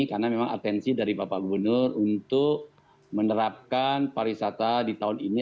karena memang atensi dari bapak gubernur untuk menerapkan pariwisata di tahun ini